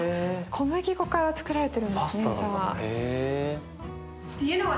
小麦粉から作られてるんですねじゃあ。